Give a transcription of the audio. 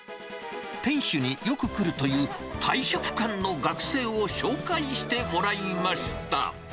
店主に、よく来るという、大食漢の学生を紹介してもらいました。